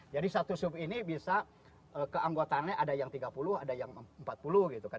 jadi satu sub ini bisa keanggotaannya ada yang tiga puluh ada yang empat puluh gitu kan